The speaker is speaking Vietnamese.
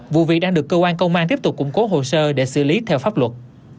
vụ việc đang được cơ quan công an tiếp tục củng cố hồ sơ để xử lý theo pháp luật